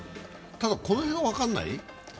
この辺は分からない？